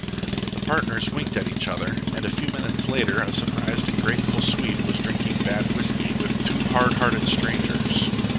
The partners winked at each other, and a few minutes later a surprised and grateful Swede was drinking bad whisky with two hard hearted strangers.